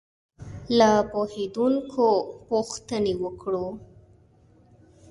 له پوهېدونکو پوښتنې وکړو.